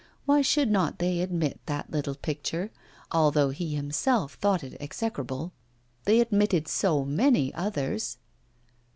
Why should not they admit that little picture, although he himself thought it execrable? They admitted so many others!